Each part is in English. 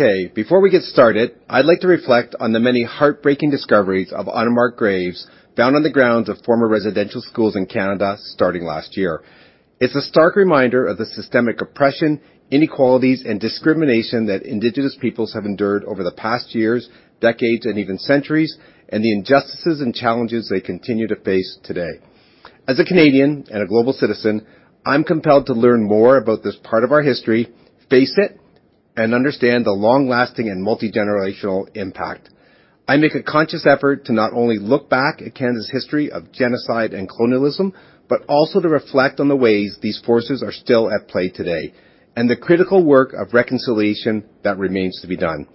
Okay, before we get started, I'd like to reflect on the many heartbreaking discoveries of unmarked graves found on the grounds of former residential schools in Canada starting last year. It's a stark reminder of the systemic oppression, inequalities, and discrimination that Indigenous peoples have endured over the past years, decades, and even centuries, and the injustices and challenges they continue to face today. As a Canadian and a global citizen, I'm compelled to learn more about this part of our history, face it, and understand the long-lasting and multi-generational impact. I make a conscious effort to not only look back at Canada's history of genocide and colonialism, but also to reflect on the ways these forces are still at play today and the critical work of reconciliation that remains to be done.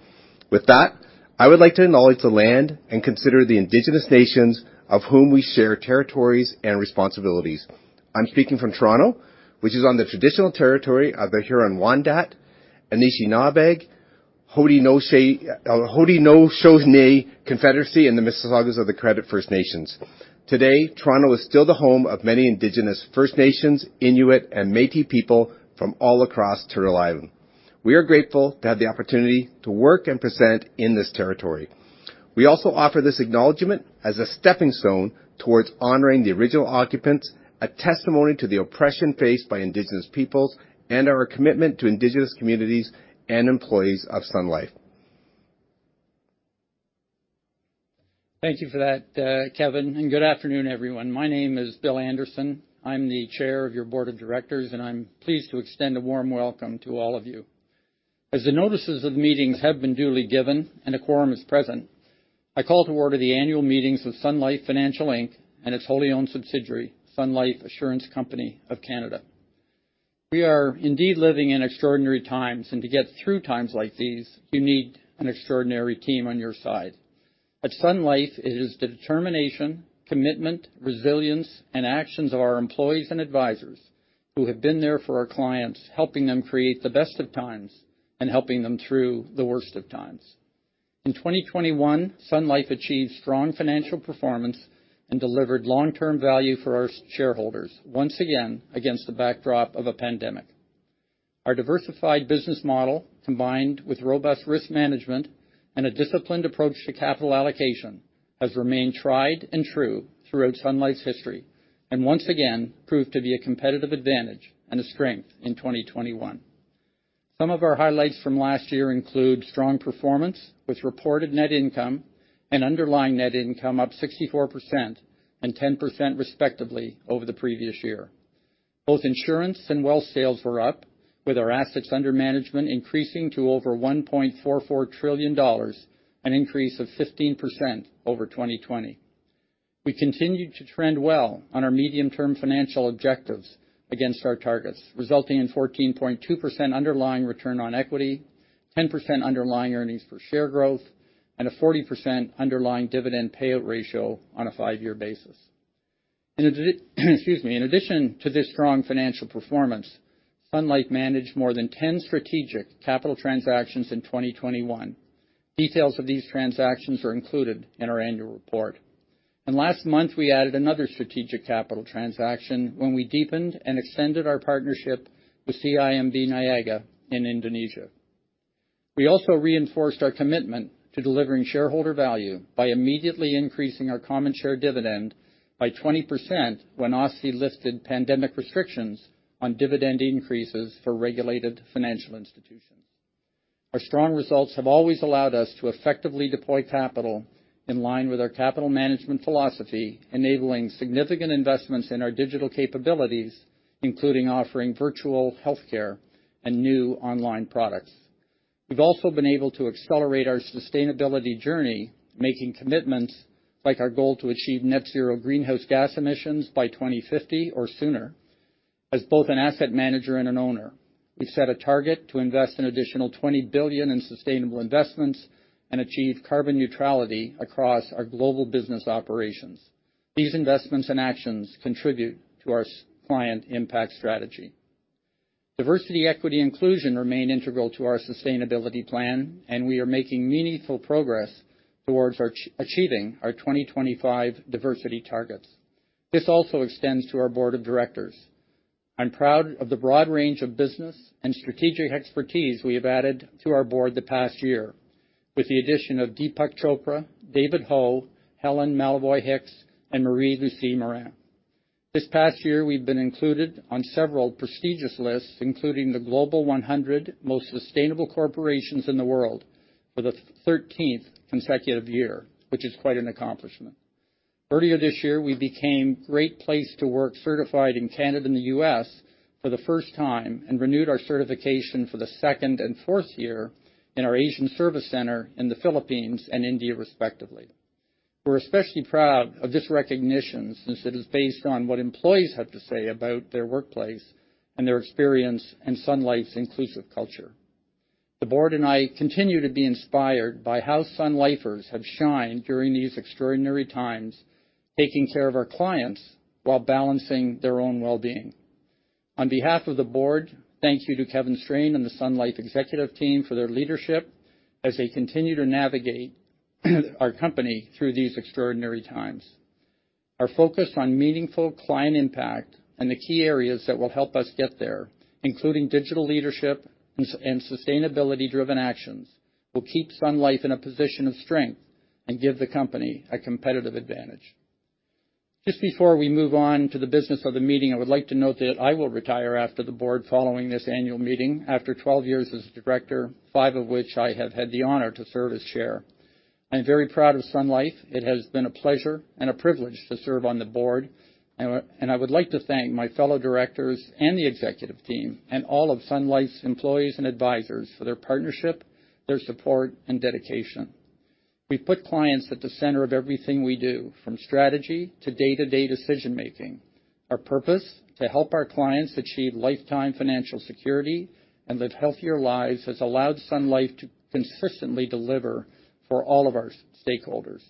With that, I would like to acknowledge the land and consider the Indigenous nations of whom we share territories and responsibilities. I'm speaking from Toronto, which is on the traditional territory of the Huron-Wendat, Anishinabek, Haudenosaunee Confederacy, and the Mississaugas of the Credit First Nations. Today, Toronto is still the home of many Indigenous First Nations, Inuit, and Métis people from all across Turtle Island. We are grateful to have the opportunity to work and present in this territory. We also offer this acknowledgement as a stepping stone towards honoring the original occupants, a testimony to the oppression faced by Indigenous peoples and our commitment to Indigenous communities and employees of Sun Life. Thank you for that, Kevin, and good afternoon, everyone. My name is Bill Anderson. I'm the chair of your board of directors, and I'm pleased to extend a warm welcome to all of you. As the notices of the meetings have been duly given and a quorum is present, I call to order the annual meetings of Sun Life Financial Inc. and its wholly owned subsidiary, Sun Life Assurance Company of Canada. We are indeed living in extraordinary times, and to get through times like these, you need an extraordinary team on your side. At Sun Life, it is the determination, commitment, resilience, and actions of our employees and advisors who have been there for our clients, helping them create the best of times and helping them through the worst of times. In 2021, Sun Life achieved strong financial performance and delivered long-term value for our shareholders, once again, against the backdrop of a pandemic. Our diversified business model, combined with robust risk management and a disciplined approach to capital allocation, has remained tried and true throughout Sun Life's history and once again proved to be a competitive advantage and a strength in 2021. Some of our highlights from last year include strong performance with reported net income and underlying net income up 64% and 10% respectively over the previous year. Both insurance and wealth sales were up, with our assets under management increasing to over 1.44 trillion dollars, an increase of 15% over 2020. We continued to trend well on our medium-term financial objectives against our targets, resulting in 14.2% underlying return on equity, 10% underlying earnings per share growth, and a 40% underlying dividend payout ratio on a five-year basis. In addition to this strong financial performance, Sun Life managed more than 10 strategic capital transactions in 2021. Details of these transactions are included in our annual report. Last month, we added another strategic capital transaction when we deepened and extended our partnership with CIMB Niaga in Indonesia. We also reinforced our commitment to delivering shareholder value by immediately increasing our common share dividend by 20% when OSFI lifted pandemic restrictions on dividend increases for regulated financial institutions. Our strong results have always allowed us to effectively deploy capital in line with our capital management philosophy, enabling significant investments in our digital capabilities, including offering virtual healthcare and new online products. We've also been able to accelerate our sustainability journey, making commitments like our goal to achieve net zero greenhouse gas emissions by 2050 or sooner. As both an asset manager and an owner, we've set a target to invest an additional 20 billion in sustainable investments and achieve carbon neutrality across our global business operations. These investments and actions contribute to our client impact strategy. Diversity, equity, inclusion remain integral to our sustainability plan, and we are making meaningful progress towards achieving our 2025 diversity targets. This also extends to our board of directors. I'm proud of the broad range of business and strategic expertise we have added to our board the past year with the addition of Deepak Chopra, David Ho, Helen Mallovy Hicks, and Marie-Lucie Morin. This past year, we've been included on several prestigious lists, including the Global 100 Most Sustainable Corporations in the World for the 13th consecutive year, which is quite an accomplishment. Earlier this year, we became Great Place to Work certified in Canada and the U.S. for the first time and renewed our certification for the second and fourth year in our Asian service center in the Philippines and India, respectively. We're especially proud of this recognition since it is based on what employees have to say about their workplace and their experience in Sun Life's inclusive culture. The board and I continue to be inspired by how Sun Lifers have shined during these extraordinary times, taking care of our clients while balancing their own well-being. On behalf of the board, thank you to Kevin Strain and the Sun Life executive team for their leadership as they continue to navigate our company through these extraordinary times. Our focus on meaningful client impact and the key areas that will help us get there, including digital leadership and sustainability-driven actions, will keep Sun Life in a position of strength and give the company a competitive advantage. Just before we move on to the business of the meeting, I would like to note that I will retire from the board following this annual meeting after 12 years as director, five of which I have had the honor to serve as chair. I'm very proud of Sun Life. It has been a pleasure and a privilege to serve on the board, and I would like to thank my fellow directors and the executive team, and all of Sun Life's employees and advisors for their partnership, their support, and dedication. We put clients at the center of everything we do, from strategy to day-to-day decision-making. Our purpose, to help our clients achieve lifetime financial security and live healthier lives, has allowed Sun Life to consistently deliver for all of our stakeholders.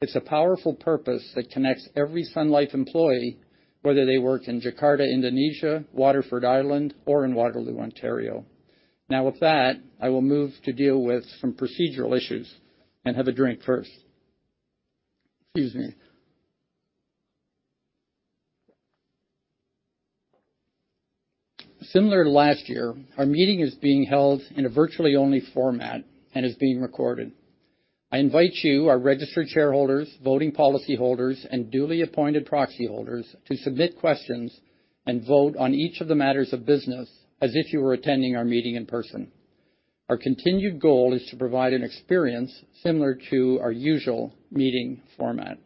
It's a powerful purpose that connects every Sun Life employee, whether they work in Jakarta, Indonesia, Waterford, Ireland, or in Waterloo, Ontario. Now with that, I will move to deal with some procedural issues and have a drink first. Excuse me. Similar to last year, our meeting is being held in a virtually only format and is being recorded. I invite you, our registered shareholders, voting policyholders, and duly appointed proxy holders to submit questions and vote on each of the matters of business as if you were attending our meeting in person. Our continued goal is to provide an experience similar to our usual meeting format.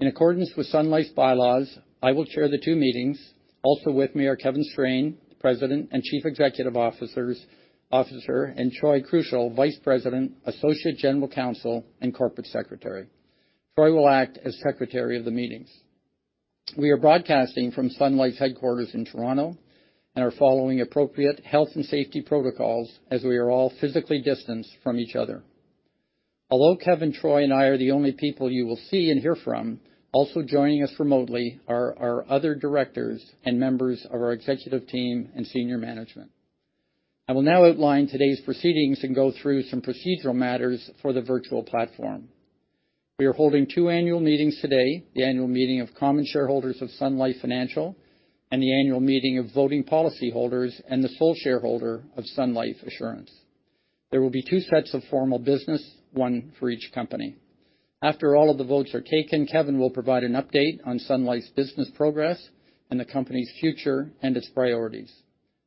In accordance with Sun Life's bylaws, I will chair the two meetings. Also with me are Kevin Strain, President and Chief Executive Officer, and Troy Krushel, Vice-President, Associate General Counsel, and Corporate Secretary. Troy will act as secretary of the meetings. We are broadcasting from Sun Life's headquarters in Toronto and are following appropriate health and safety protocols as we are all physically distanced from each other. Although Kevin, Troy, and I are the only people you will see and hear from, also joining us remotely are our other directors and members of our executive team and senior management. I will now outline today's proceedings and go through some procedural matters for the virtual platform. We are holding two annual meetings today, the annual meeting of common shareholders of Sun Life Financial, and the annual meeting of voting policyholders and the sole shareholder of Sun Life Assurance. There will be two sets of formal business, one for each company. After all of the votes are taken, Kevin will provide an update on Sun Life's business progress and the company's future and its priorities.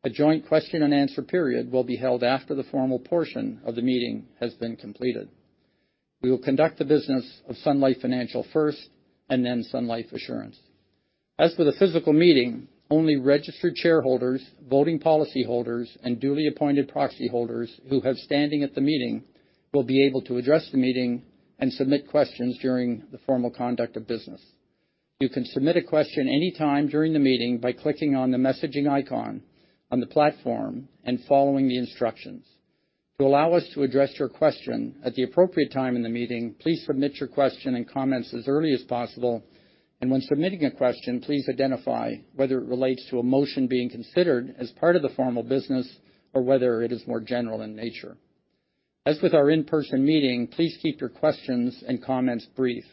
A joint question and answer period will be held after the formal portion of the meeting has been completed. We will conduct the business of Sun Life Financial first, and then Sun Life Assurance. As with the physical meeting, only registered shareholders, voting policyholders, and duly appointed proxyholders who have standing at the meeting will be able to address the meeting and submit questions during the formal conduct of business. You can submit a question any time during the meeting by clicking on the messaging icon on the platform and following the instructions. To allow us to address your question at the appropriate time in the meeting, please submit your question and comments as early as possible, and when submitting a question, please identify whether it relates to a motion being considered as part of the formal business or whether it is more general in nature. As with our in-person meeting, please keep your questions and comments brief.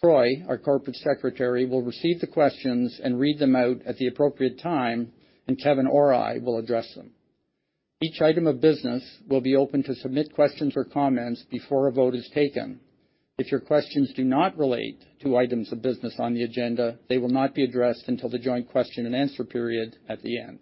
Troy, our corporate secretary, will receive the questions and read them out at the appropriate time, and Kevin or I will address them. Each item of business will be open to submit questions or comments before a vote is taken. If your questions do not relate to items of business on the agenda, they will not be addressed until the joint question and answer period at the end.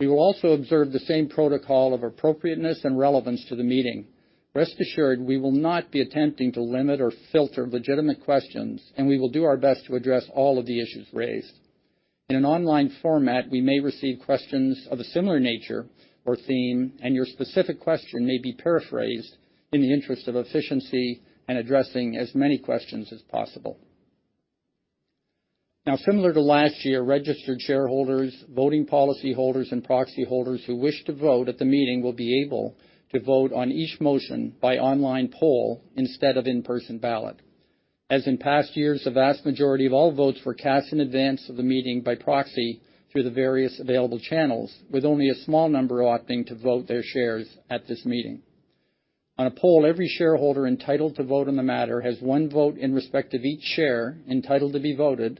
We will also observe the same protocol of appropriateness and relevance to the meeting. Rest assured, we will not be attempting to limit or filter legitimate questions, and we will do our best to address all of the issues raised. In an online format, we may receive questions of a similar nature or theme, and your specific question may be paraphrased in the interest of efficiency and addressing as many questions as possible. Now, similar to last year, registered shareholders, voting policyholders, and proxy holders who wish to vote at the meeting will be able to vote on each motion by online poll instead of in-person ballot. As in past years, the vast majority of all votes were cast in advance of the meeting by proxy through the various available channels, with only a small number opting to vote their shares at this meeting. On a poll, every shareholder entitled to vote on the matter has one vote in respect of each share entitled to be voted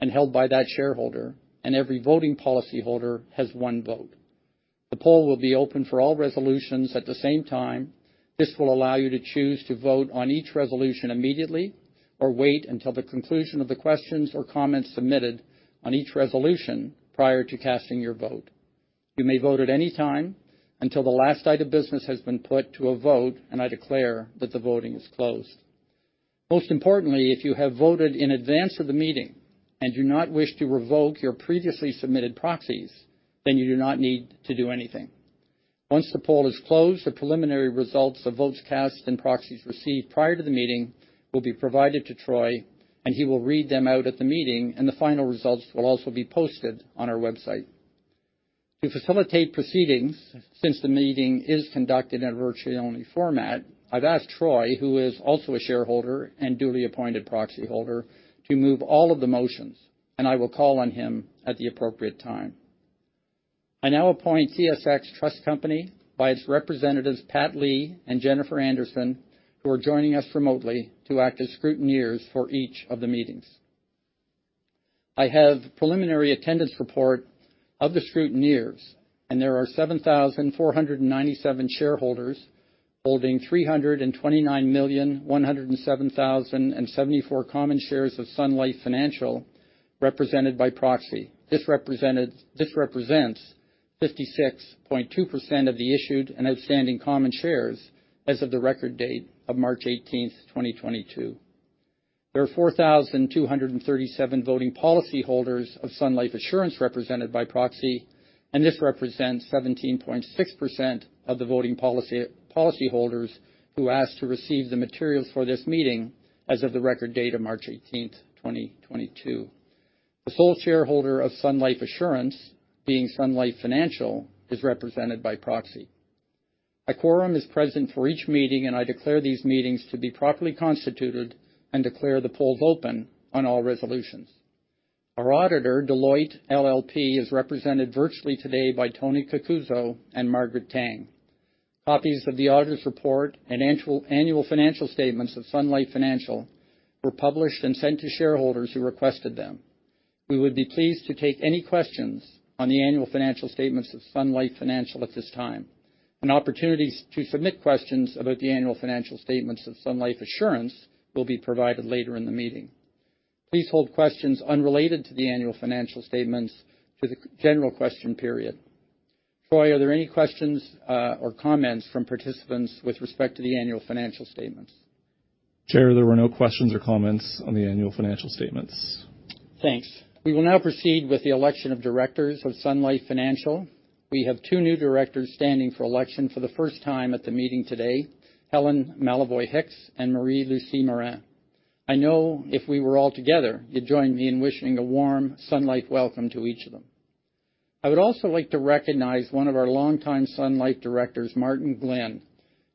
and held by that shareholder, and every voting policyholder has one vote. The poll will be open for all resolutions at the same time. This will allow you to choose to vote on each resolution immediately or wait until the conclusion of the questions or comments submitted on each resolution prior to casting your vote. You may vote at any time until the last item business has been put to a vote, and I declare that the voting is closed. Most importantly, if you have voted in advance of the meeting and do not wish to revoke your previously submitted proxies, then you do not need to do anything. Once the poll is closed, the preliminary results of votes cast and proxies received prior to the meeting will be provided to Troy, and he will read them out at the meeting, and the final results will also be posted on our website. To facilitate proceedings, since the meeting is conducted in a virtually only format, I've asked Troy, who is also a shareholder and duly appointed proxy holder, to move all of the motions, and I will call on him at the appropriate time. I now appoint TSX Trust Company by its representatives, Pat Lee and Jennifer Andersen, who are joining us remotely to act as scrutineers for each of the meetings. I have preliminary attendance report of the scrutineers, and there are 7,497 shareholders holding 329,107,074 common shares of Sun Life Financial, represented by proxy. This represents 56.2% of the issued and outstanding common shares as of the record date of March 18th, 2022. There are 4,237 voting policyholders of Sun Life Assurance represented by proxy, and this represents 17.6% of the voting policyholders who asked to receive the materials for this meeting as of the record date of March 18th, 2022. The sole shareholder of Sun Life Assurance, being Sun Life Financial, is represented by proxy. A quorum is present for each meeting, and I declare these meetings to be properly constituted and declare the polls open on all resolutions. Our auditor, Deloitte LLP, is represented virtually today by Tony Cocuzzo and Margaret Tang. Copies of the auditor's report and annual financial statements of Sun Life Financial were published and sent to shareholders who requested them. We would be pleased to take any questions on the annual financial statements of Sun Life Financial at this time. An opportunity to submit questions about the annual financial statements of Sun Life Assurance will be provided later in the meeting. Please hold questions unrelated to the annual financial statements to the general question period. Troy, are there any questions or comments from participants with respect to the annual financial statements? Chair, there were no questions or comments on the annual financial statements. Thanks. We will now proceed with the election of directors of Sun Life Financial. We have two new directors standing for election for the first time at the meeting today, Helen Mallovy Hicks and Marie-Lucie Morin. I know if we were all together, you'd join me in wishing a warm Sun Life welcome to each of them. I would also like to recognize one of our longtime Sun Life Directors, Martin Glynn,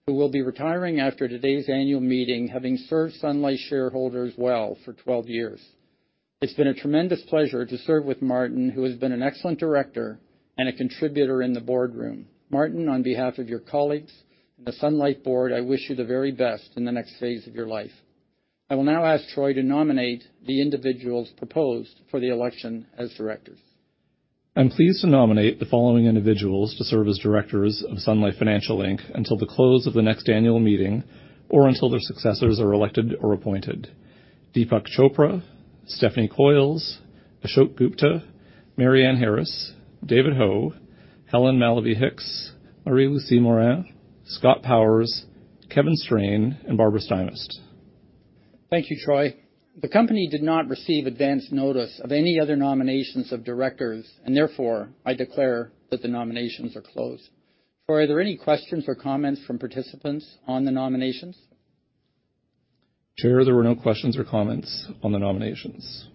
who will be retiring after today's annual meeting, having served Sun Life shareholders well for 12 years. It's been a tremendous pleasure to serve with Martin, who has been an excellent director and a contributor in the boardroom. Martin, on behalf of your colleagues and the Sun Life board, I wish you the very best in the next phase of your life. I will now ask Troy to nominate the individuals proposed for the election as directors. I'm pleased to nominate the following individuals to serve as directors of Sun Life Financial Inc. until the close of the next annual meeting or until their successors are elected or appointed. Deepak Chopra, Stephanie Coyles, Ashok Gupta, Marianne Harris, David Ho, Helen Mallovy Hicks, Marie-Lucie Morin, Scott Powers, Kevin Strain, and Barbara Stymiest. Thank you, Troy. The company did not receive advance notice of any other nominations of directors, and therefore, I declare that the nominations are closed. Troy, are there any questions or comments from participants on the nominations? Chair, there were no questions or comments on the nominations.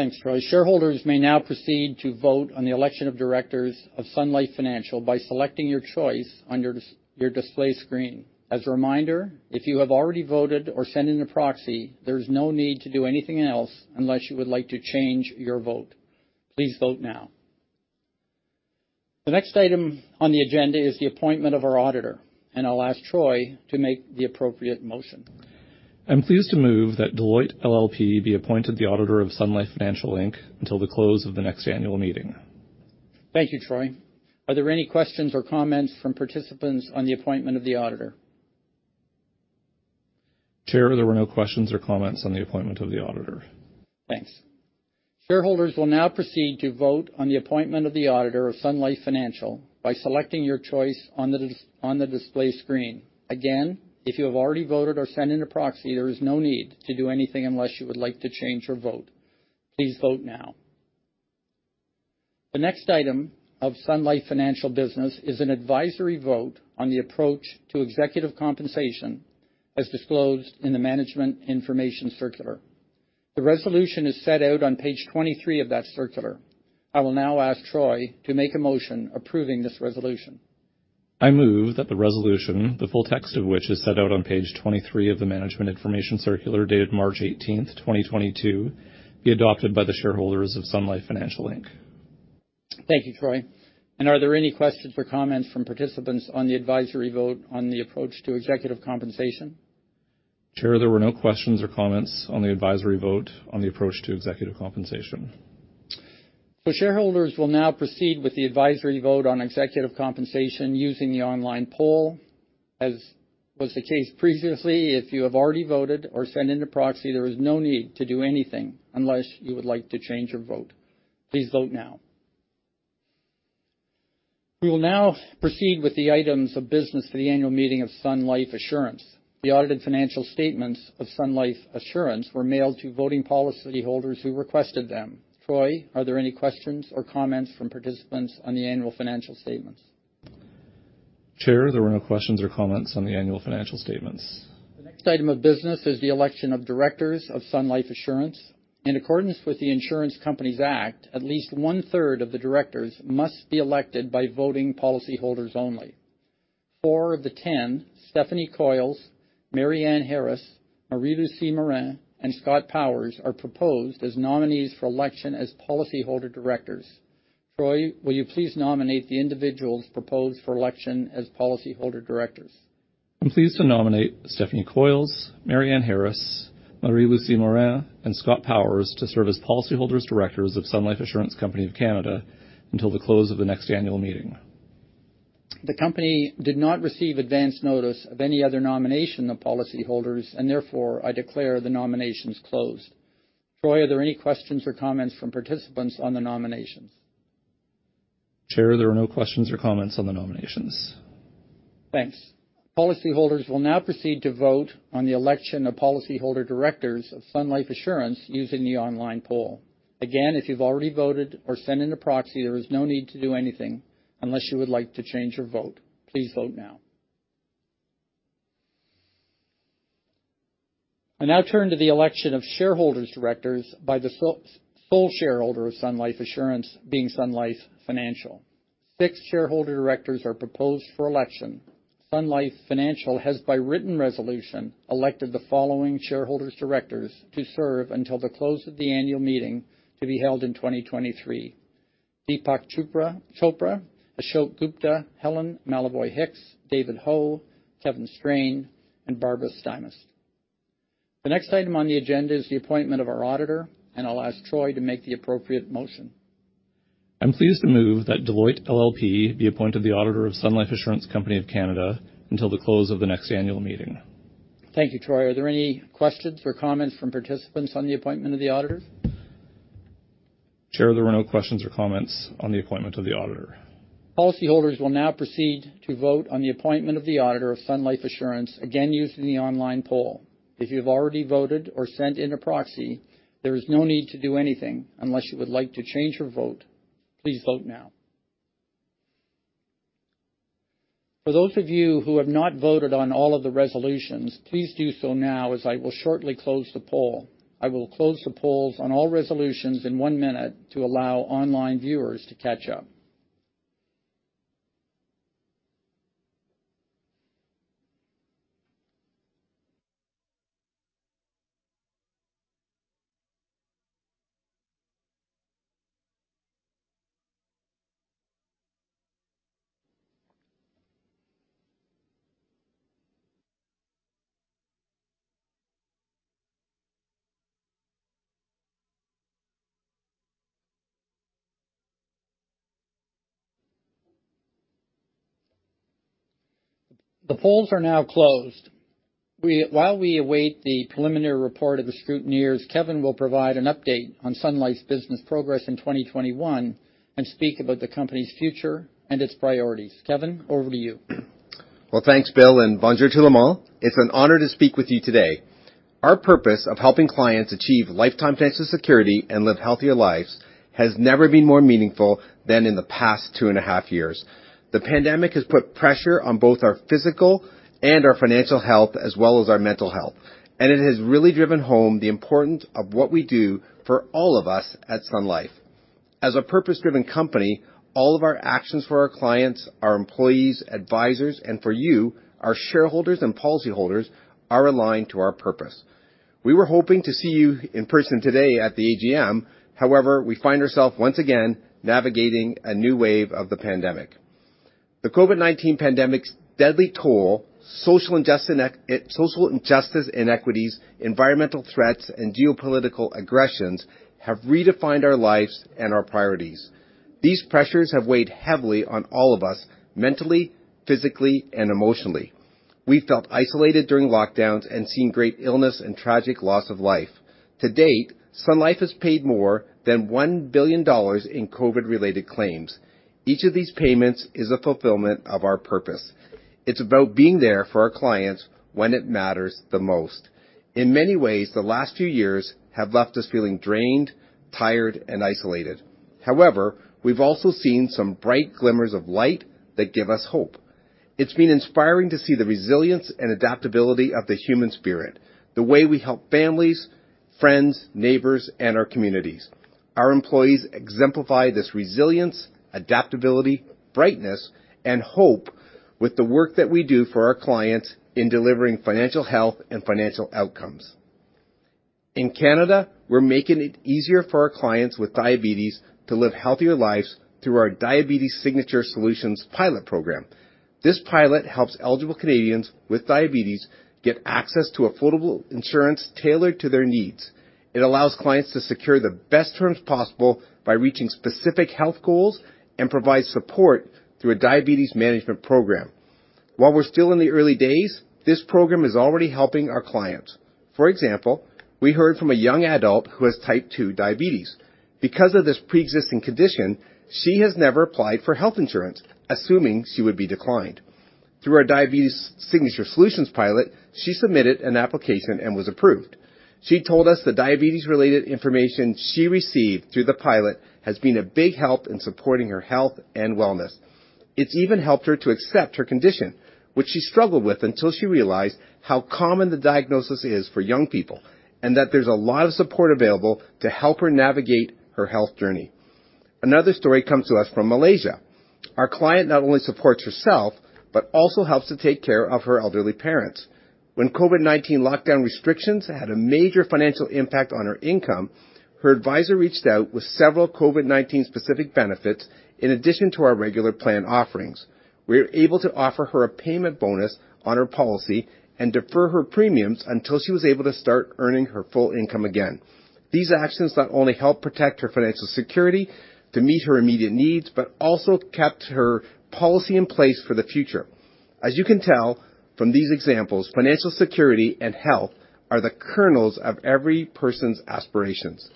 Thanks, Troy. Shareholders may now proceed to vote on the election of directors of Sun Life Financial by selecting your choice on your display screen. As a reminder, if you have already voted or sent in a proxy, there's no need to do anything else unless you would like to change your vote. Please vote now. The next item on the agenda is the appointment of our auditor, and I'll ask Troy to make the appropriate motion. I'm pleased to move that Deloitte LLP be appointed the auditor of Sun Life Financial Inc. until the close of the next annual meeting. Thank you, Troy. Are there any questions or comments from participants on the appointment of the auditor? Chair, there were no questions or comments on the appointment of the auditor. Thanks. Shareholders will now proceed to vote on the appointment of the auditor of Sun Life Financial by selecting your choice on the display screen. Again, if you have already voted or sent in a proxy, there is no need to do anything unless you would like to change your vote. Please vote now. The next item of Sun Life Financial business is an advisory vote on the approach to executive compensation as disclosed in the management information circular. The resolution is set out on page 23 of that circular. I will now ask Troy to make a motion approving this resolution. I move that the resolution, the full text of which is set out on page 23 of the management information circular dated March 18th, 2022, be adopted by the shareholders of Sun Life Financial Inc. Thank you, Troy. Are there any questions or comments from participants on the advisory vote on the approach to executive compensation? Chair, there were no questions or comments on the advisory vote on the approach to executive compensation. Shareholders will now proceed with the advisory vote on executive compensation using the online poll. As was the case previously, if you have already voted or sent in a proxy, there is no need to do anything unless you would like to change your vote. Please vote now. We will now proceed with the items of business for the annual meeting of Sun Life Assurance. The audited financial statements of Sun Life Assurance were mailed to voting policyholders who requested them. Troy, are there any questions or comments from participants on the annual financial statements? Chair, there were no questions or comments on the annual financial statements. The next item of business is the election of directors of Sun Life Assurance. In accordance with the Insurance Companies Act, at least one-third of the directors must be elected by voting policyholders only. Four of the 10, Stephanie Coyles, Marianne Harris, Marie-Lucie Morin, and Scott Powers are proposed as nominees for election as policyholder directors. Troy, will you please nominate the individuals proposed for election as policyholder directors? I'm pleased to nominate Stephanie Coyles, Marianne Harris, Marie-Lucie Morin, and Scott Powers to serve as policyholder directors of Sun Life Assurance Company of Canada until the close of the next annual meeting. The company did not receive advance notice of any other nomination of policy holders, and therefore, I declare the nominations closed. Troy, are there any questions or comments from participants on the nominations? Chair, there are no questions or comments on the nominations. Thanks. Policyholders will now proceed to vote on the election of policyholder directors of Sun Life Assurance using the online poll. Again, if you've already voted or sent in a proxy, there is no need to do anything unless you would like to change your vote. Please vote now. I now turn to the election of shareholders' directors by the sole shareholder of Sun Life Assurance being Sun Life Financial. Six shareholder directors are proposed for election. Sun Life Financial has, by written resolution, elected the following shareholders' directors to serve until the close of the annual meeting to be held in 2023. Deepak Chopra, Ashok Gupta, Helen Mallovy Hicks, David Ho, Kevin Strain, and Barbara Stymiest. The next item on the agenda is the appointment of our auditor, and I'll ask Troy to make the appropriate motion. I'm pleased to move that Deloitte LLP be appointed the auditor of Sun Life Assurance Company of Canada until the close of the next annual meeting. Thank you, Troy. Are there any questions or comments from participants on the appointment of the auditor? Chair, there are no questions or comments on the appointment of the auditor. Policyholders will now proceed to vote on the appointment of the Auditor of Sun Life Assurance, again, using the online poll. If you've already voted or sent in a proxy, there is no need to do anything unless you would like to change your vote. Please vote now. For those of you who have not voted on all of the resolutions, please do so now as I will shortly close the poll. I will close the polls on all resolutions in one minute to allow online viewers to catch up. The polls are now closed. While we await the preliminary report of the scrutineers, Kevin will provide an update on Sun Life's business progress in 2021 and speak about the company's future and its priorities. Kevin, over to you. Well, thanks, Bill, and Bonjour à tout le monde. It's an honor to speak with you today. Our purpose of helping clients achieve lifetime financial security and live healthier lives has never been more meaningful than in the past two and a half years. The pandemic has put pressure on both our physical and our financial health, as well as our mental health, and it has really driven home the importance of what we do for all of us at Sun Life. As a purpose-driven company, all of our actions for our clients, our employees, advisors, and for you, our shareholders and policyholders, are aligned to our purpose. We were hoping to see you in person today at the AGM. However, we find ourselves once again navigating a new wave of the pandemic. The COVID-19 pandemic's deadly toll, social injustice inequities, environmental threats, and geopolitical aggressions have redefined our lives and our priorities. These pressures have weighed heavily on all of us mentally, physically, and emotionally. We felt isolated during lockdowns and seen great illness and tragic loss of life. To date, Sun Life has paid more than 1 billion dollars in COVID-related claims. Each of these payments is a fulfillment of our purpose. It's about being there for our clients when it matters the most. In many ways, the last few years have left us feeling drained, tired, and isolated. However, we've also seen some bright glimmers of light that give us hope. It's been inspiring to see the resilience and adaptability of the human spirit, the way we help families, friends, neighbors, and our communities. Our employees exemplify this resilience, adaptability, brightness, and hope with the work that we do for our clients in delivering financial health and financial outcomes. In Canada, we're making it easier for our clients with diabetes to live healthier lives through our Diabetes Signature Solution pilot program. This pilot helps eligible Canadians with diabetes get access to affordable insurance tailored to their needs. It allows clients to secure the best terms possible by reaching specific health goals and provides support through a diabetes management program. While we're still in the early days, this program is already helping our clients. For example, we heard from a young adult who has Type 2 diabetes. Because of this pre-existing condition, she has never applied for health insurance, assuming she would be declined. Through our Diabetes Signature Solution pilot, she submitted an application and was approved. She told us the diabetes-related information she received through the pilot has been a big help in supporting her health and wellness. It's even helped her to accept her condition, which she struggled with until she realized how common the diagnosis is for young people and that there's a lot of support available to help her navigate her health journey. Another story comes to us from Malaysia. Our client not only supports herself, but also helps to take care of her elderly parents. When COVID-19 lockdown restrictions had a major financial impact on her income, her advisor reached out with several COVID-19 specific benefits in addition to our regular plan offerings. We were able to offer her a payment bonus on her policy and defer her premiums until she was able to start earning her full income again. These actions not only helped protect her financial security to meet her immediate needs, but also kept her policy in place for the future. As you can tell from these examples, financial security and health are the kernels of every person's aspirations.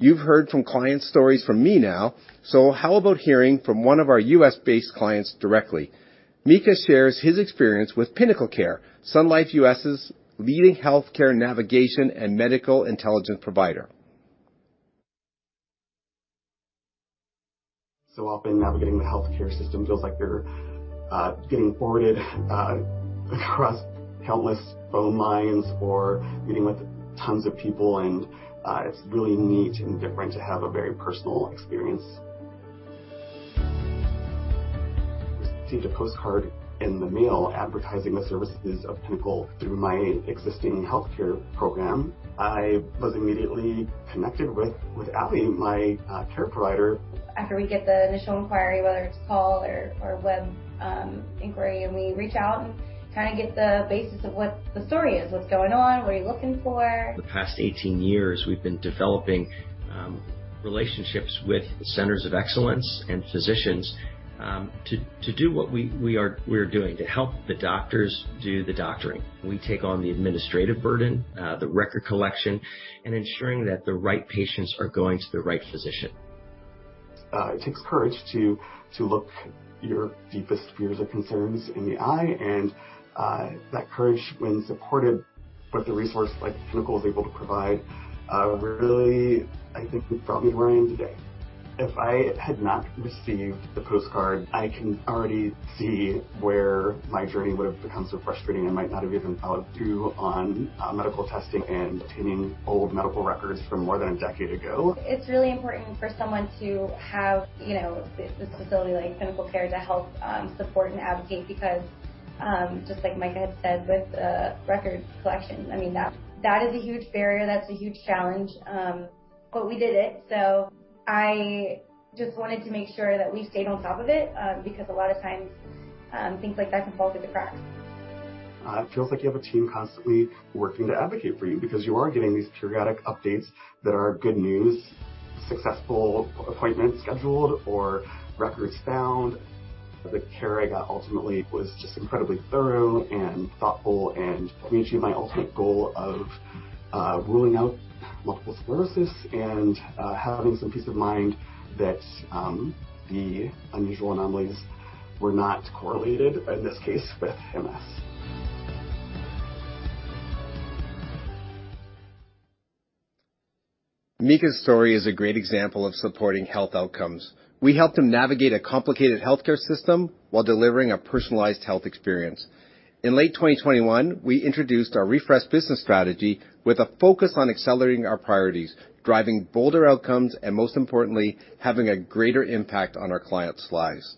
You've heard from clients' stories from me now, so how about hearing from one of our U.S.-based clients directly? Micah shares his experience with PinnacleCare, Sun Life U.S.'s leading healthcare navigation and medical intelligence provider. Often navigating the healthcare system feels like you're getting forwarded across countless phone lines or meeting with tons of people and it's really neat and different to have a very personal experience. I received a postcard in the mail advertising the services of Pinnacle through my existing healthcare program. I was immediately connected with Ally, my care provider. After we get the initial inquiry, whether it's call or web inquiry, and we reach out and kinda get the basis of what the story is, what's going on, what are you looking for. The past 18 years we've been developing relationships with centers of excellence and physicians to do what we're doing to help the doctors do the doctoring. We take on the administrative burden, the record collection and ensuring that the right patients are going to the right physician. It takes courage to look your deepest fears or concerns in the eye and that courage when supported with a resource like Pinnacle is able to provide really I think has brought me where I am today. If I had not received the postcard, I can already see where my journey would have become so frustrating. I might not have even followed through on medical testing and obtaining old medical records from more than a decade ago. It's really important for someone to have, you know, this facility like PinnacleCare to help support and advocate because just like Micah had said with the records collection, I mean, that is a huge barrier, that's a huge challenge, but we did it. I just wanted to make sure that we stayed on top of it because a lot of times things like that can fall through the cracks. It feels like you have a team constantly working to advocate for you because you are getting these periodic updates that are good news, successful appointments scheduled or records found. The care I got ultimately was just incredibly thorough and thoughtful and reached my ultimate goal of ruling out multiple sclerosis and having some peace of mind that the unusual anomalies were not correlated, in this case, with MS. Micah's story is a great example of supporting health outcomes. We helped him navigate a complicated healthcare system while delivering a personalized health experience. In late 2021, we introduced our refreshed business strategy with a focus on accelerating our priorities, driving bolder outcomes, and most importantly, having a greater impact on our clients' lives.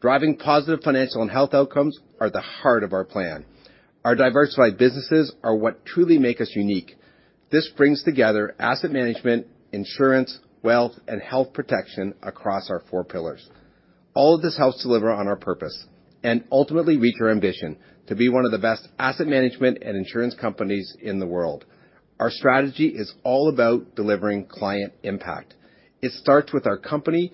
Driving positive financial and health outcomes are the heart of our plan. Our diversified businesses are what truly make us unique. This brings together asset management, insurance, wealth, and health protection across our four pillars. All of this helps deliver on our purpose and ultimately reach our ambition to be one of the best asset management and insurance companies in the world. Our strategy is all about delivering client impact. It starts with our company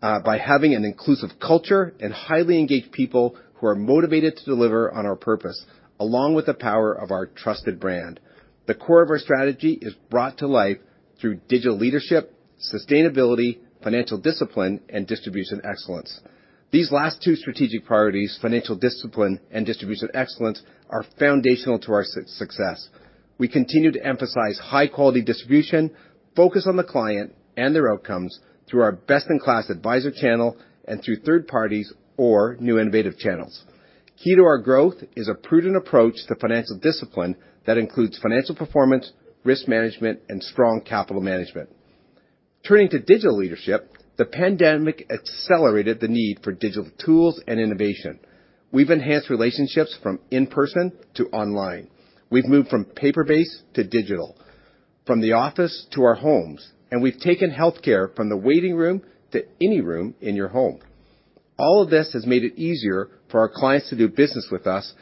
by having an inclusive culture and highly engaged people who are motivated to deliver on our purpose, along with the power of our trusted brand. The core of our strategy is brought to life through digital leadership, sustainability, financial discipline, and distribution excellence. These last two strategic priorities, financial discipline and distribution excellence, are foundational to our success. We continue to emphasize high quality distribution, focus on the client and their outcomes through our best-in-class advisor channel and through third parties or new innovative channels. Key to our growth is a prudent approach to financial discipline that includes financial performance, risk management, and strong capital management. Turning to digital leadership, the pandemic accelerated the need for digital tools and innovation. We've enhanced relationships from in-person to online. We've moved from paper-based to digital, from the office to our homes, and we've taken healthcare from the waiting room to any room in your home. All of this has made it easier for our clients to do business with us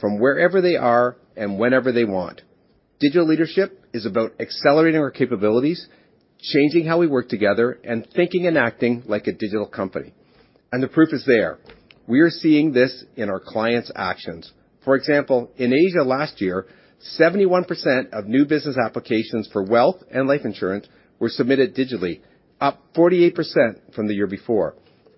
from wherever they are and whenever they want. Digital leadership is about accelerating our capabilities, changing how we work together, and thinking and acting like a digital company. The proof is there. We are seeing this in our clients' actions. For example, in Asia last year, 71% of new business applications for wealth and life insurance were submitted digitally, up 48% from the year before.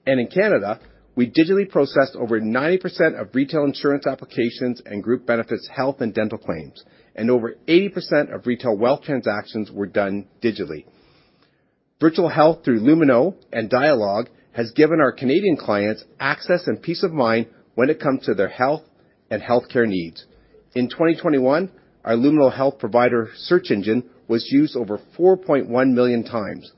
In Canada, we digitally processed over 90% of retail insurance applications and group benefits, health and dental claims, and over 80% of retail wealth transactions were done digitally. Virtual health through Lumino and Dialogue has given our Canadian clients access and peace of mind when it comes to their health and healthcare needs. In 2021, our Lumino Health provider search engine was used over 4.1 million times.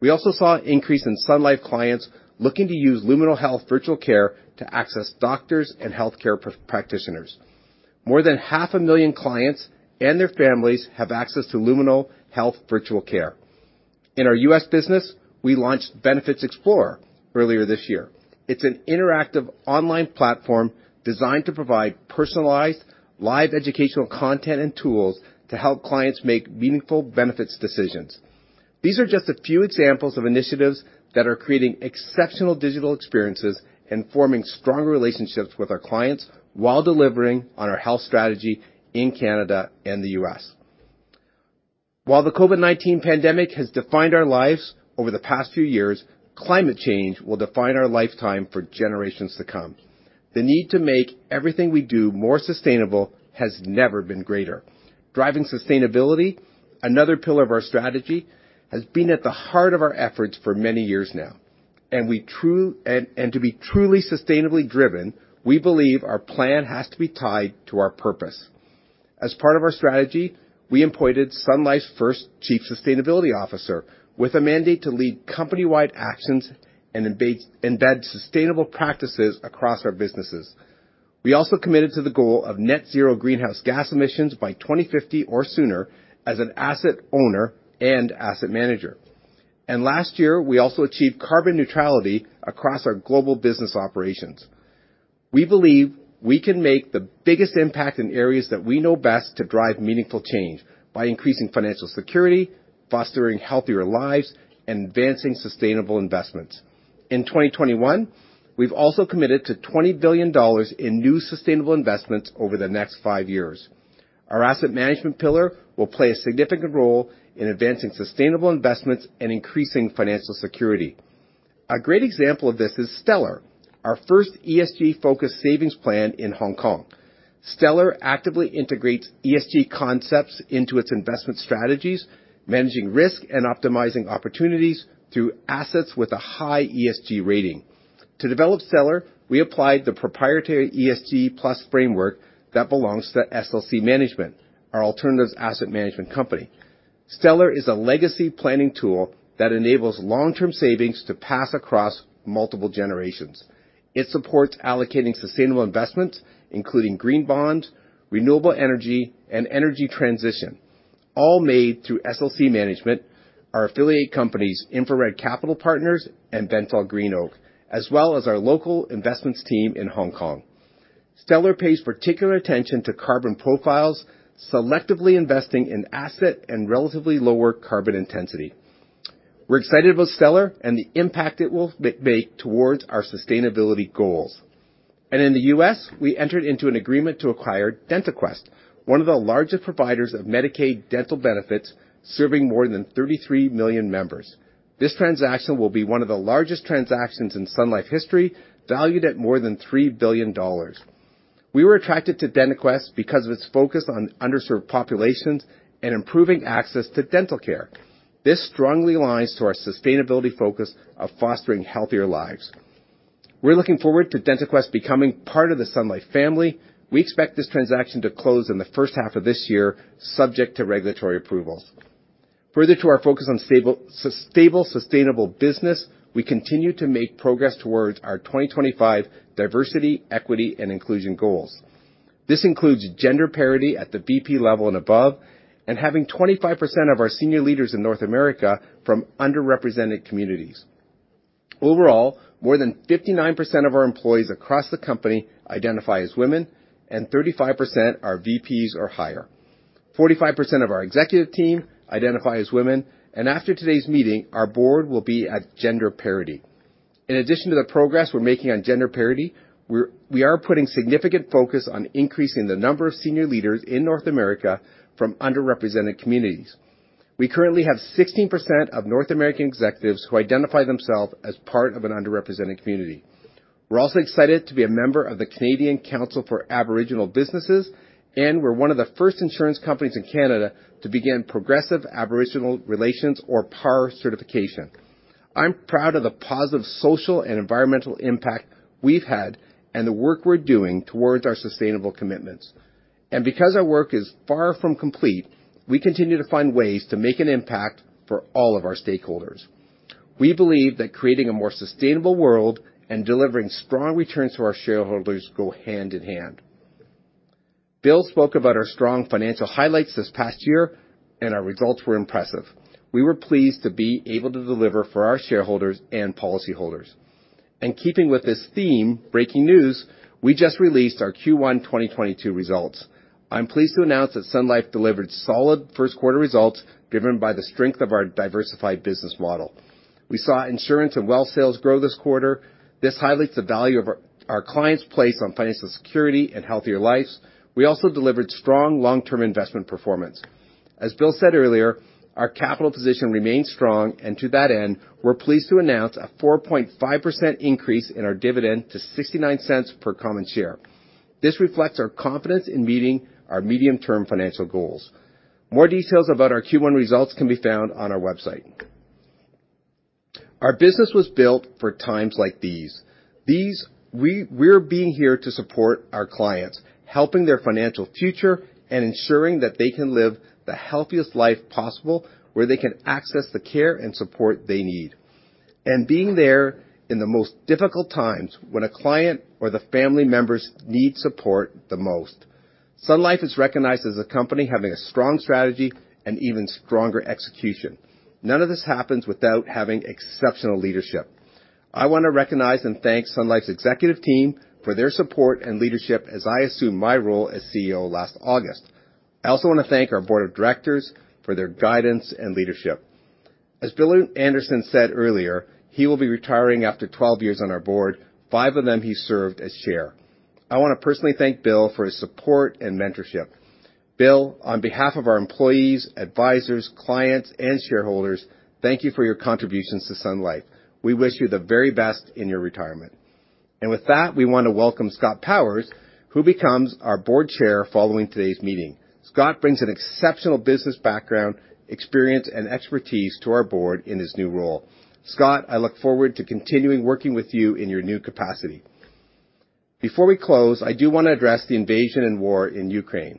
We also saw an increase in Sun Life clients looking to use Lumino Health Virtual Care to access doctors and healthcare practitioners. More than 500,000 clients and their families have access to Lumino Health Virtual Care. In our U.S. business, we launched Benefits Explorer earlier this year. It's an interactive online platform designed to provide personalized live educational content and tools to help clients make meaningful benefits decisions. These are just a few examples of initiatives that are creating exceptional digital experiences and forming strong relationships with our clients while delivering on our health strategy in Canada and the U.S. While the COVID-19 pandemic has defined our lives over the past few years, climate change will define our lifetime for generations to come. The need to make everything we do more sustainable has never been greater. Driving sustainability, another pillar of our strategy, has been at the heart of our efforts for many years now. To be truly sustainably driven, we believe our plan has to be tied to our purpose. As part of our strategy, we appointed Sun Life's first Chief Sustainability Officer with a mandate to lead company-wide actions and embed sustainable practices across our businesses. We also committed to the goal of net zero greenhouse gas emissions by 2050 or sooner as an asset owner and asset manager. Last year, we also achieved carbon neutrality across our global business operations. We believe we can make the biggest impact in areas that we know best to drive meaningful change by increasing financial security, fostering healthier lives, and advancing sustainable investments. In 2021, we've also committed to 20 billion dollars in new sustainable investments over the next five years. Our asset management pillar will play a significant role in advancing sustainable investments and increasing financial security. A great example of this is Stellar, our first ESG-focused savings plan in Hong Kong. Stellar actively integrates ESG concepts into its investment strategies, managing risk, and optimizing opportunities through assets with a high ESG rating. To develop Stellar, we applied the proprietary ESG Plus framework that belongs to SLC Management, our alternatives asset management company. Stellar is a legacy planning tool that enables long-term savings to pass across multiple generations. It supports allocating sustainable investments, including green bond, renewable energy, and energy transition, all made through SLC Management, our affiliate companies, InfraRed Capital Partners, and BentallGreenOak, as well as our local investments team in Hong Kong. Stellar pays particular attention to carbon profiles, selectively investing in assets with relatively lower carbon intensity. We're excited about Stellar and the impact it will make towards our sustainability goals. In the U.S., we entered into an agreement to acquire DentaQuest, one of the largest providers of Medicaid dental benefits, serving more than 33 million members. This transaction will be one of the largest transactions in Sun Life history, valued at more than 3 billion dollars. We were attracted to DentaQuest because of its focus on underserved populations and improving access to dental care. This strongly aligns to our sustainability focus of fostering healthier lives. We're looking forward to DentaQuest becoming part of the Sun Life family. We expect this transaction to close in the first half of this year, subject to regulatory approvals. Further to our focus on stable, sustainable business, we continue to make progress towards our 2025 diversity, equity, and inclusion goals. This includes gender parity at the VP level and above, and having 25% of our senior leaders in North America from underrepresented communities. Overall, more than 59% of our employees across the company identify as women, and 35% are VPs or higher. 45% of our executive team identify as women, and after today's meeting, our board will be at gender parity. In addition to the progress we're making on gender parity, we are putting significant focus on increasing the number of senior leaders in North America from underrepresented communities. We currently have 16% of North American executives who identify themselves as part of an underrepresented community. We're also excited to be a member of the Canadian Council for Aboriginal Business, and we're one of the first insurance companies in Canada to begin Progressive Aboriginal Relations or PAR certification. I'm proud of the positive social and environmental impact we've had and the work we're doing towards our sustainable commitments. Because our work is far from complete, we continue to find ways to make an impact for all of our stakeholders. We believe that creating a more sustainable world and delivering strong returns to our shareholders go hand in hand. Bill spoke about our strong financial highlights this past year, and our results were impressive. We were pleased to be able to deliver for our shareholders and policyholders. In keeping with this theme, breaking news, we just released our Q1 2022 results. I'm pleased to announce that Sun Life delivered solid first quarter results given by the strength of our diversified business model. We saw insurance and wealth sales grow this quarter. This highlights the value of our clients' place on financial security and healthier lives. We also delivered strong long-term investment performance. As Bill said earlier, our capital position remains strong, and to that end, we're pleased to announce a 4.5% increase in our dividend to 0.69 per common share. This reflects our confidence in meeting our medium-term financial goals. More details about our Q1 results can be found on our website. Our business was built for times like these. That's why we're here to support our clients, helping their financial future, and ensuring that they can live the healthiest life possible, where they can access the care and support they need. Being there in the most difficult times when a client or the family members need support the most. Sun Life is recognized as a company having a strong strategy and even stronger execution. None of this happens without having exceptional leadership. I wanna recognize and thank Sun Life's executive team for their support and leadership as I assumed my role as CEO last August. I also wanna thank our board of directors for their guidance and leadership. As Bill Anderson said earlier, he will be retiring after 12 years on our board, five of them he served as chair. I wanna personally thank Bill for his support and mentorship. Bill, on behalf of our employees, advisors, clients, and shareholders, thank you for your contributions to Sun Life. We wish you the very best in your retirement. With that, we wanna welcome Scott Powers, who becomes our board chair following today's meeting. Scott brings an exceptional business background, experience, and expertise to our board in his new role. Scott, I look forward to continuing working with you in your new capacity. Before we close, I do wanna address the invasion and war in Ukraine.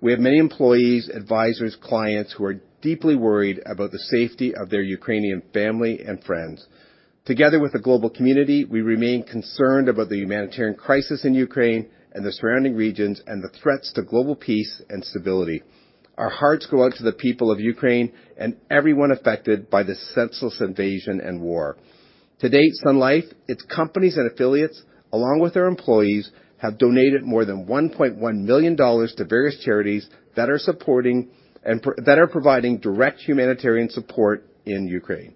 We have many employees, advisors, clients who are deeply worried about the safety of their Ukrainian family and friends. Together with the global community, we remain concerned about the humanitarian crisis in Ukraine and the surrounding regions and the threats to global peace and stability. Our hearts go out to the people of Ukraine and everyone affected by this senseless invasion and war. To date, Sun Life, its companies and affiliates, along with their employees, have donated more than 1.1 million dollars to various charities that are providing direct humanitarian support in Ukraine.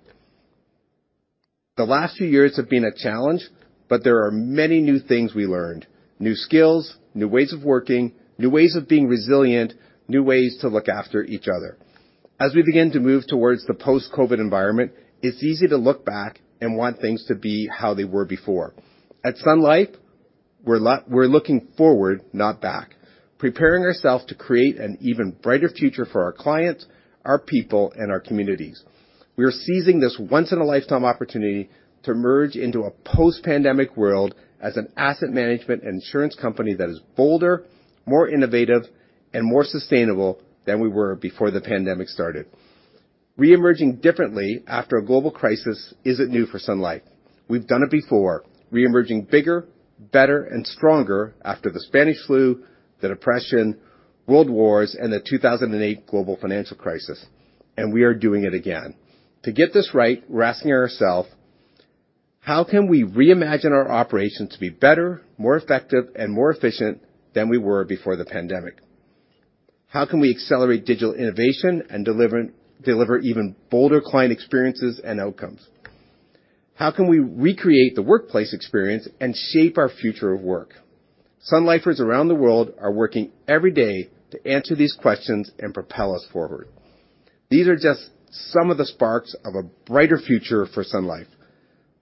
The last few years have been a challenge, but there are many new things we learned, new skills, new ways of working, new ways of being resilient, new ways to look after each other. As we begin to move towards the post-COVID environment, it's easy to look back and want things to be how they were before. At Sun Life, we're looking forward, not back, preparing ourself to create an even brighter future for our clients, our people, and our communities. We are seizing this once in a lifetime opportunity to merge into a post-pandemic world as an asset management insurance company that is bolder, more innovative, and more sustainable than we were before the pandemic started. Reemerging differently after a global crisis isn't new for Sun Life. We've done it before, reemerging bigger, better, and stronger after the Spanish flu, the Depression, world wars, and the 2008 global financial crisis, and we are doing it again. To get this right, we're asking ourselves, how can we reimagine our operations to be better, more effective, and more efficient than we were before the pandemic? How can we accelerate digital innovation and deliver even bolder client experiences and outcomes? How can we recreate the workplace experience and shape our future of work? Sun Lifers around the world are working every day to answer these questions and propel us forward. These are just some of the sparks of a brighter future for Sun Life.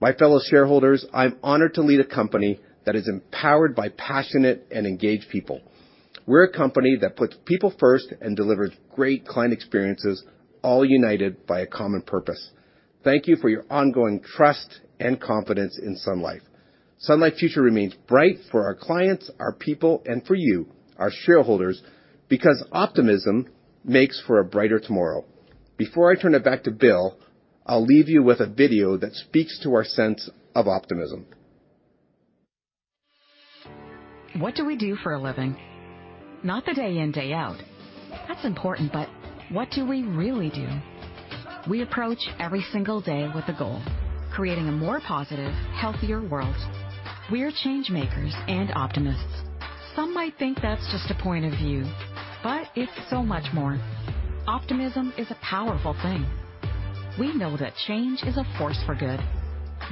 My fellow shareholders, I'm honored to lead a company that is empowered by passionate and engaged people. We're a company that puts people first and delivers great client experiences all united by a common purpose. Thank you for your ongoing trust and confidence in Sun Life. Sun Life's future remains bright for our clients, our people, and for you, our shareholders, because optimism makes for a brighter tomorrow. Before I turn it back to Bill, I'll leave you with a video that speaks to our sense of optimism. What do we do for a living? Not the day in, day out. That's important, but what do we really do? We approach every single day with a goal, creating a more positive, healthier world. We are change makers and optimists. Some might think that's just a point of view, but it's so much more. Optimism is a powerful thing. We know that change is a force for good.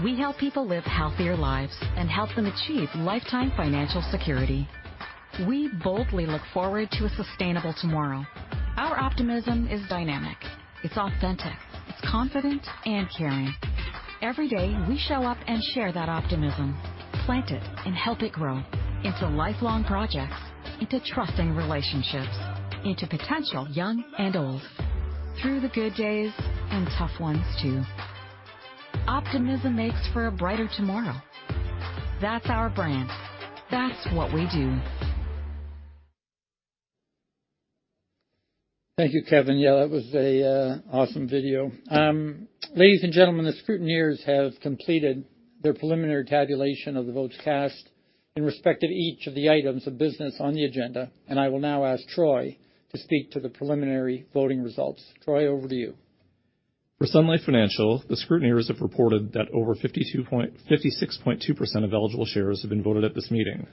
We help people live healthier lives and help them achieve lifetime financial security. We boldly look forward to a sustainable tomorrow. Our optimism is dynamic. It's authentic. It's confident and caring. Every day, we show up and share that optimism, plant it, and help it grow into lifelong projects, into trusting relationships, into potential young and old, through the good days and tough ones too. Optimism makes for a brighter tomorrow. That's our brand. That's what we do. Thank you, Kevin. Yeah, that was a awesome video. Ladies and gentlemen, the scrutineers have completed their preliminary tabulation of the votes cast in respect to each of the items of business on the agenda, and I will now ask Troy to speak to the preliminary voting results. Troy, over to you. For Sun Life Financial, the scrutineers have reported that over 56.2% of eligible shares have been voted at this meeting.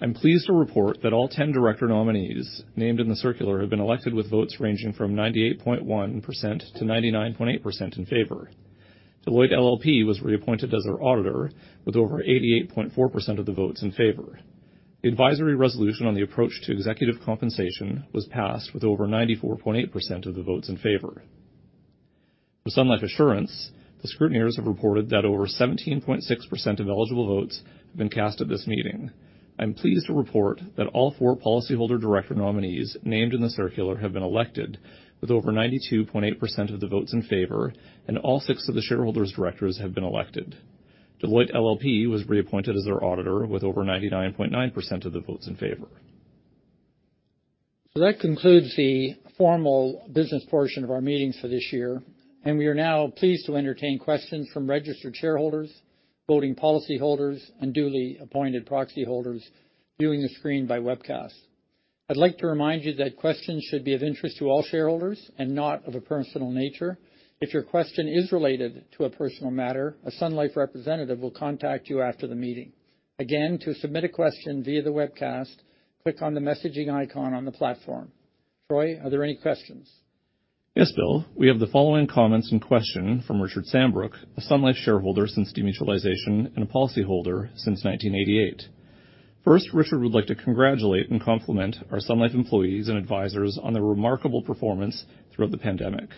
I'm pleased to report that all 10 director nominees named in the circular have been elected with votes ranging from 98.1%-99.8% in favor. Deloitte LLP was reappointed as our auditor with over 88.4% of the votes in favor. The advisory resolution on the approach to executive compensation was passed with over 94.8% of the votes in favor. For Sun Life Assurance, the scrutineers have reported that over 17.6% of eligible votes have been cast at this meeting. I'm pleased to report that all four policyholder director nominees named in the circular have been elected with over 92.8% of the votes in favor, and all six of the shareholder directors have been elected. Deloitte LLP was reappointed as their auditor with over 99.9% of the votes in favor. That concludes the formal business portion of our meetings for this year, and we are now pleased to entertain questions from registered shareholders, voting policy holders, and duly appointed proxy holders viewing the screen by webcast. I'd like to remind you that questions should be of interest to all shareholders and not of a personal nature. If your question is related to a personal matter, a Sun Life representative will contact you after the meeting. Again, to submit a question via the webcast, click on the messaging icon on the platform. Troy, are there any questions? Yes, Bill. We have the following comments in question from Richard Sandbrook, a Sun Life shareholder since demutualization and a policy holder since 1988. First, Richard would like to congratulate and compliment our Sun Life employees and advisors on their remarkable performance throughout the pandemic.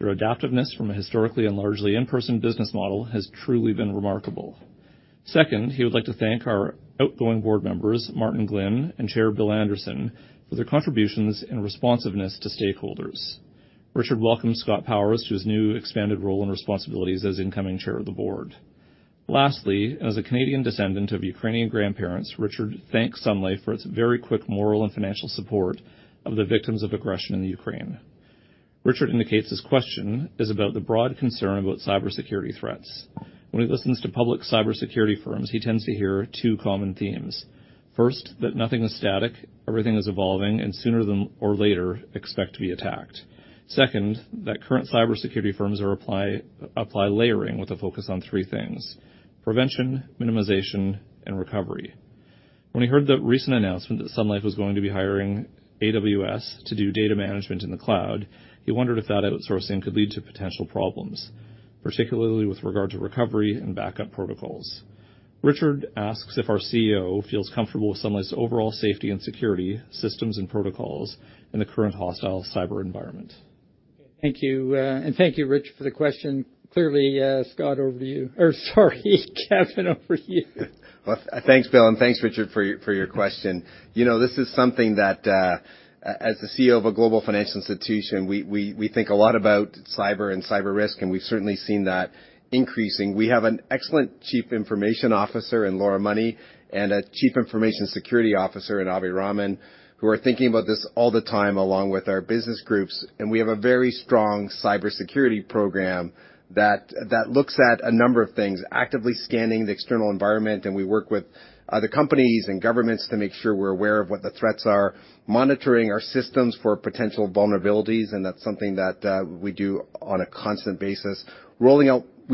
Their adaptiveness from a historically and largely in-person business model has truly been remarkable. Second, he would like to thank our outgoing board members, Martin Glynn and Chair Bill Anderson, for their contributions and responsiveness to stakeholders. Richard welcomes Scott Powers to his new expanded role and responsibilities as incoming chair of the board. Lastly, as a Canadian descendant of Ukrainian grandparents, Richard thanked Sun Life for its very quick moral and financial support of the victims of aggression in the Ukraine. Richard indicates his question is about the broad concern about cybersecurity threats. When he listens to public cybersecurity firms, he tends to hear two common themes. First, that nothing is static, everything is evolving, and sooner or later, expect to be attacked. Second, that current cybersecurity firms are applying layering with a focus on three things. Prevention, minimization, and recovery. When he heard the recent announcement that Sun Life was going to be hiring AWS to do data management in the cloud, he wondered if that outsourcing could lead to potential problems, particularly with regard to recovery and backup protocols. Richard asks if our CEO feels comfortable with Sun Life's overall safety and security systems and protocols in the current hostile cyber environment. Thank you. Thank you, Richard, for the question. Clearly, Kevin, over to you. Well, thanks, Bill, and thanks, Richard, for your question. You know, this is something that as the CEO of a global financial institution, we think a lot about cyber and cyber risk, and we've certainly seen that increasing. We have an excellent chief information officer in Laura Money and a chief information security officer in Abhay Raman, who are thinking about this all the time along with our business groups. We have a very strong cybersecurity program that looks at a number of things, actively scanning the external environment. We work with other companies and governments to make sure we're aware of what the threats are. Monitoring our systems for potential vulnerabilities, and that's something that we do on a constant basis. We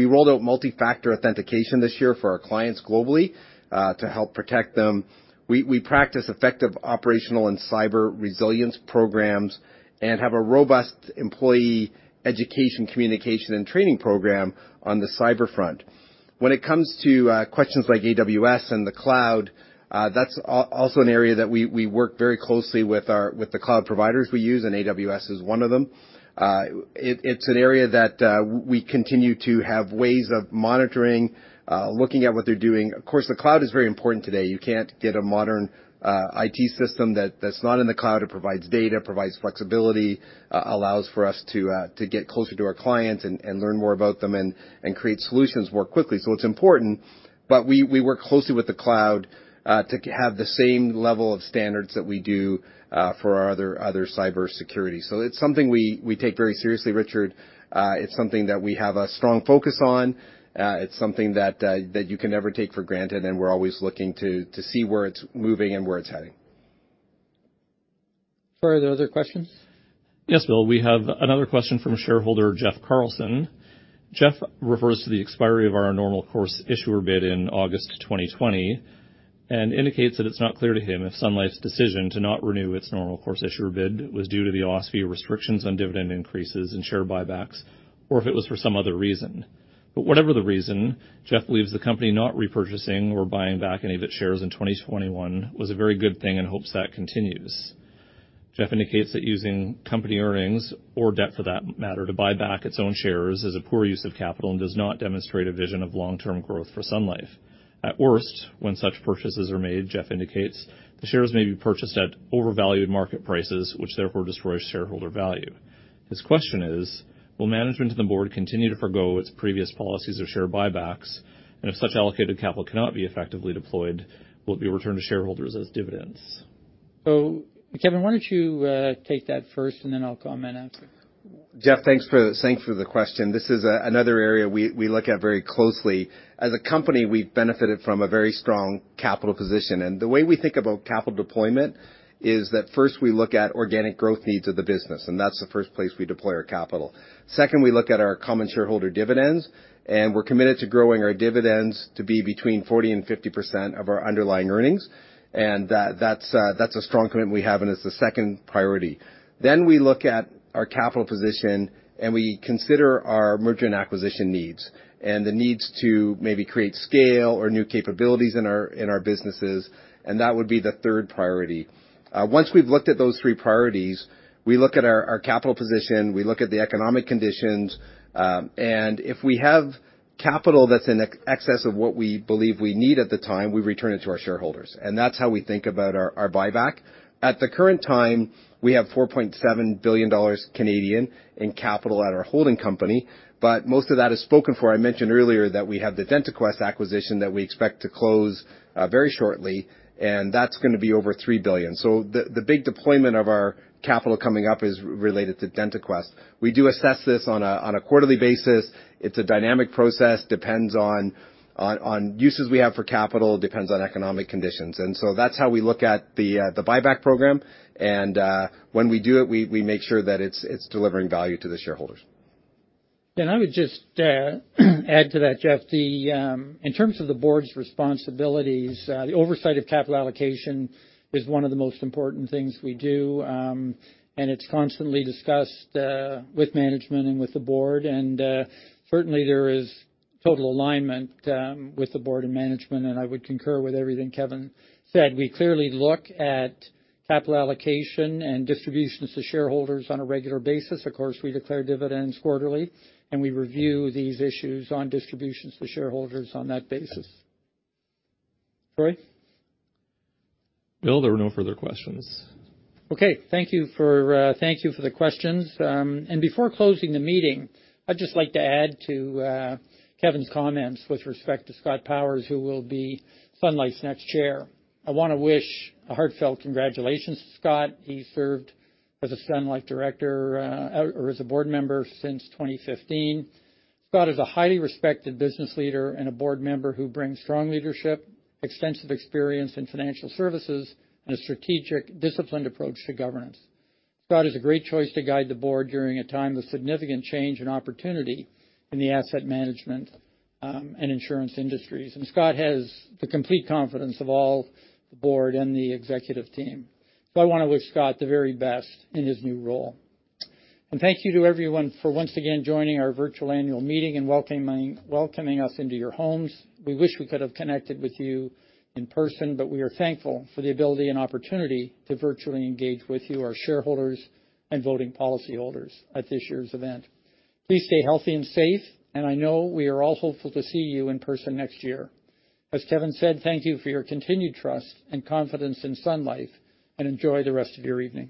rolled out multi-factor authentication this year for our clients globally, to help protect them. We practice effective operational and cyber resilience programs and have a robust employee education, communication, and training program on the cyber front. When it comes to questions like AWS and the cloud, that's also an area that we work very closely with the cloud providers we use, and AWS is one of them. It's an area that we continue to have ways of monitoring, looking at what they're doing. Of course, the cloud is very important today. You can't get a modern IT system that's not in the cloud. It provides data, provides flexibility, allows for us to get closer to our clients and learn more about them, and create solutions more quickly. It's important, but we work closely with the cloud to have the same level of standards that we do for our other cyber security. It's something we take very seriously, Richard. It's something that we have a strong focus on. It's something that you can never take for granted, and we're always looking to see where it's moving and where it's heading. Troy, are there other questions? Yes, Bill. We have another question from shareholder Jeff Carlson. Jeff refers to the expiry of our normal course issuer bid in August 2020, and indicates that it's not clear to him if Sun Life's decision to not renew its normal course issuer bid was due to the OSFI restrictions on dividend increases and share buybacks or if it was for some other reason. Whatever the reason, Jeff believes the company not repurchasing or buying back any of its shares in 2021 was a very good thing and hopes that continues. Jeff indicates that using company earnings or debt for that matter to buy back its own shares is a poor use of capital and does not demonstrate a vision of long-term growth for Sun Life. At worst, when such purchases are made, Jeff indicates, the shares may be purchased at overvalued market prices, which therefore destroys shareholder value. His question is: Will management and the board continue to forgo its previous policies or share buybacks? If such allocated capital cannot be effectively deployed, will it be returned to shareholders as dividends? Kevin, why don't you take that first, and then I'll comment after. Jeff, thanks for the question. This is another area we look at very closely. As a company, we've benefited from a very strong capital position, and the way we think about capital deployment is that first we look at organic growth needs of the business, and that's the first place we deploy our capital. Second, we look at our common shareholder dividends, and we're committed to growing our dividends to be between 40%-50% of our underlying earnings. That's a strong commitment we have, and it's the second priority. We look at our capital position, and we consider our merger and acquisition needs and the needs to maybe create scale or new capabilities in our businesses, and that would be the third priority. Once we've looked at those three priorities, we look at our capital position, we look at the economic conditions, and if we have capital that's in excess of what we believe we need at the time, we return it to our shareholders. That's how we think about our buyback. At the current time, we have 4.7 billion Canadian dollars in capital at our holding company, but most of that is spoken for. I mentioned earlier that we have the DentaQuest acquisition that we expect to close very shortly, and that's gonna be over 3 billion. The big deployment of our capital coming up is related to DentaQuest. We do assess this on a quarterly basis. It's a dynamic process, depends on uses we have for capital, depends on economic conditions. That's how we look at the buyback program, and when we do it, we make sure that it's delivering value to the shareholders. I would just add to that, Jeff. In terms of the board's responsibilities, the oversight of capital allocation is one of the most important things we do, and it's constantly discussed with management and with the board. Certainly there is total alignment with the board and management, and I would concur with everything Kevin said. We clearly look at capital allocation and distributions to shareholders on a regular basis. Of course, we declare dividends quarterly, and we review these issues on distributions to shareholders on that basis. Troy? Bill, there are no further questions. Okay. Thank you for the questions. Before closing the meeting, I'd just like to add to Kevin's comments with respect to Scott Powers, who will be Sun Life's next chair. I wanna wish a heartfelt congratulations to Scott. He served as a Sun Life director, or as a board member since 2015. Scott is a highly respected business leader and a board member who brings strong leadership, extensive experience in financial services, and a strategic, disciplined approach to governance. Scott is a great choice to guide the board during a time of significant change and opportunity in the asset management and insurance industries. Scott has the complete confidence of all the board and the executive team. I wanna wish Scott the very best in his new role. Thank you to everyone for once again joining our virtual annual meeting and welcoming us into your homes. We wish we could have connected with you in person, but we are thankful for the ability and opportunity to virtually engage with you, our shareholders and voting policy holders at this year's event. Please stay healthy and safe, and I know we are all hopeful to see you in person next year. As Kevin said, thank you for your continued trust and confidence in Sun Life, and enjoy the rest of your evening.